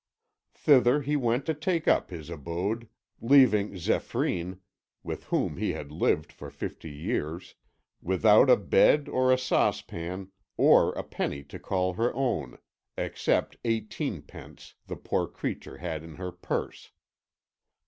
Thither he went to take up his abode, leaving Zéphyrine, with whom he had lived for fifty years, without a bed or a saucepan or a penny to call her own, except eighteenpence the poor creature had in her purse.